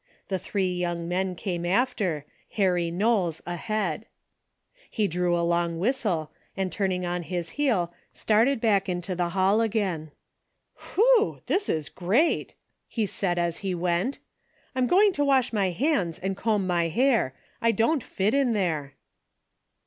The three young men came after, Harry Knowles ahead. DAILY BATE.'' 149 He drew a long whistle, and turning on his heel, started back into the hall again. " Whew ! this is great !" he said as he went. I'm go ing to wash my hands and comb my hair. I don't fit in there."